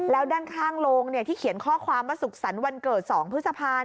แล้วด้านข้างโรงที่เขียนข้อความว่าสุขสรรค์วันเกิด๒พฤษภา